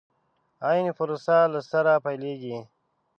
عين پروسه له سره پيلېږي.